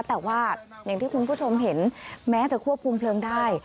แต่ว่าอย่างที่คุณผู้ชมเห็นแม้จะควบคุมเพลิงได้